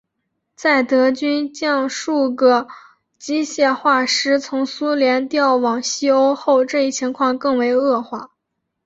在德军将数个机械化师从苏联调往西欧后这一情况更为恶化。